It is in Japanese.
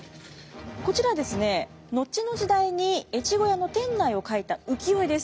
こちらですね後の時代に越後屋の店内を描いた浮世絵です。